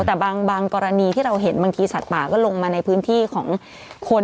แต่บางกรณีที่เราเห็นบางทีสัตว์ป่าก็ลงมาในพื้นที่ของคน